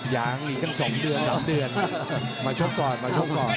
ยังมีกัน๒เดือน๓เดือนมาชกก่อนมาชกก่อน